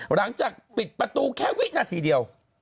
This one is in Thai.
หลังจากปิดประตูแค่วินาทีเดียว